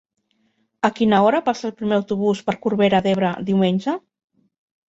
A quina hora passa el primer autobús per Corbera d'Ebre diumenge?